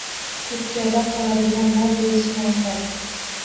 Turkiyada qoladigan mol berishini aytadi.